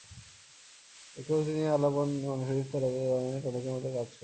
একটু অতীত নিয়ে আলাপন মানসিক স্থিরতা দানে টনিকের মতো কাজ করে!